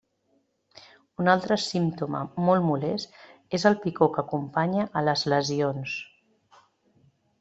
Un altre símptoma molt molest és la picor que acompanya a les lesions.